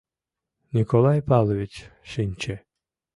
Николай Павлович шинче.